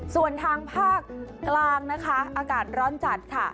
ส่วนทางภาคกลางนะคะอากาศร้อนจัดค่ะ